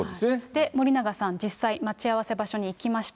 で、森永さん、実際待ち合わせ場所に行きました。